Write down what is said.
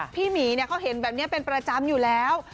หมีเขาเห็นแบบนี้เป็นประจำอยู่แล้ว